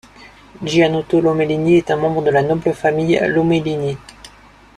Giannotto Lomellini est un membre de la noble famille Lomellini.